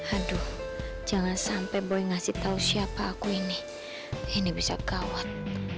aduh jangan sampe boy ngasih tau siapa aku ini ini bisa gawat